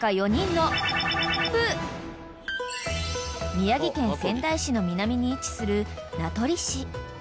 ［宮城県仙台市の南に位置する］